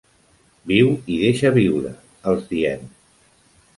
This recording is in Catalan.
Viu i deixa viure, els diem.